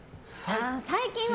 最近は。